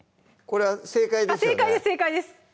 これは正解ですよね